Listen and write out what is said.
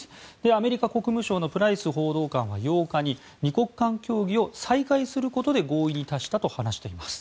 アメリカ国務省のプライス報道官は８日に２国間協議を再開することで合意に達したと話しています。